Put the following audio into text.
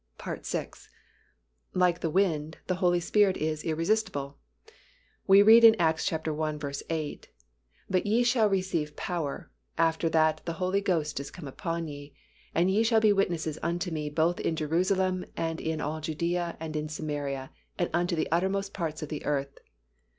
(6) Like the wind, the Holy Spirit is irresistible. We read in Acts i. 8, "But ye shall receive power, after that the Holy Ghost is come upon you: and ye shall be witnesses unto Me both in Jerusalem, and in all Judea, and in Samaria, and unto the uttermost parts of the earth."